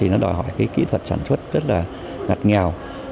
nó đòi hỏi kỹ thuật sản xuất rất là ngặt nghèo